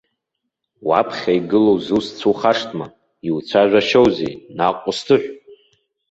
Уаԥхьа игылоу зусҭцәоу ухашҭма, иуцәажәашьоузеи, наҟ усҭыҳә!